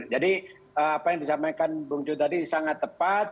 jadi apa yang disampaikan bung joy tadi sangat tepat